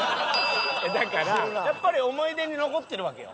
だからやっぱり思い出に残ってるわけよ。